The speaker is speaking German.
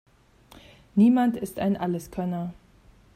Niemand ist ein Alleskönner.